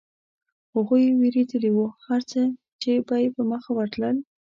هغوی وېرېدلي و، هرڅه چې به په مخه ورتلل.